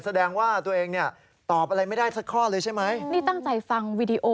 แสดงว่าตัวเองตอบอะไรไม่ได้สักข้อเลยใช่ไหม